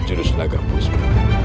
jurus naga puspa